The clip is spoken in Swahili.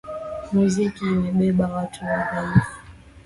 muziki imebeba watu wadhaifu